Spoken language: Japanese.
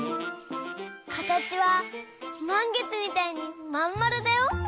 かたちはまんげつみたいにまんまるだよ。